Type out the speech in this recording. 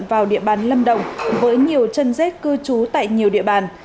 vào địa bàn lâm đồng với nhiều chân dết cư trú tại nhiều địa bàn